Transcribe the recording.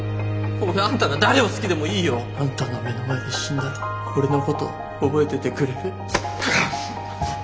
俺あんたが誰を好きでもいいよ。あんたの目の前で死んだら俺のこと覚えててくれる？